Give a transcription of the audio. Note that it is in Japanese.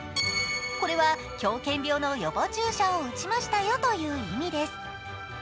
これは狂犬病の予防注射を打ちましたよという意味です。